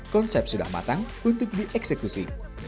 konsep sudah matang untuk dieksekusi